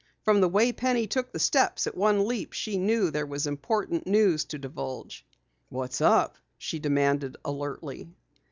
From the way Penny took the steps at one leap she knew there was important news to divulge. "What's up?" she demanded alertly.